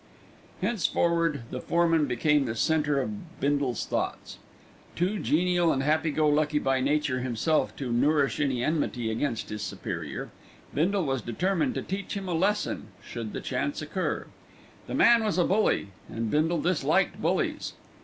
Henceforward the foreman became the centre of Bindle's thoughts. Too genial and happy go lucky by nature himself to nourish any enmity against his superior, Bindle was determined to teach him a lesson, should the chance occur. The man was a bully, and Bindle disliked bullies.